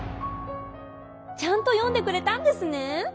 ちゃんと読んでくれたんですねー！